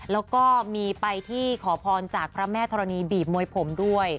แล้วก็มีไปที่ขอพรจากพระแม่ธรณีบีบมวยผมด้วย